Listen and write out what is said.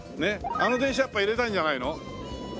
あの電車やっぱ入れたいんじゃないの？